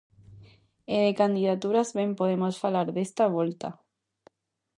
E de candidaturas ben podemos falar desta volta.